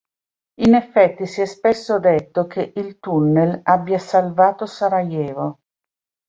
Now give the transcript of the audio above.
In effetti, si è spesso detto che il tunnel abbia salvato Sarajevo.